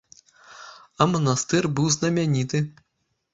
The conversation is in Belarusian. А манастыр быў знамяніты.